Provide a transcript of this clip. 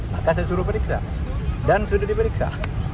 maka saya suruh periksa dan sudah diperiksa